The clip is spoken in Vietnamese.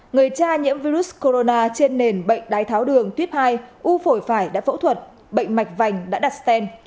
người cha nhiễm virus corona trên nền bệnh đái tháo đường tuyếp hai u phổi phải đã phẫu thuật bệnh mạch vành đã đặt sten